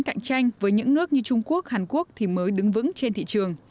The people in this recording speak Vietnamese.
cạnh tranh với những nước như trung quốc hàn quốc thì mới đứng vững trên thị trường